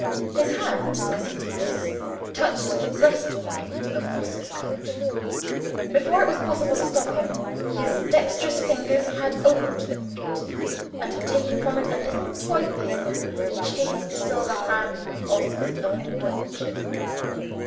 His hand, as he did this, touched the breast pocket of Oscar's coat. Before it was possible to stop him, his dexterous fingers had opened the pocket, and had taken from it a little toy pistol with a chased silver handle of Oscar's own workmanship.